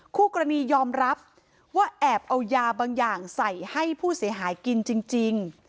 คู่กรณียอมรับว่าแอบเอายาบางอย่างใส่ให้ผู้เสียหายกินจริง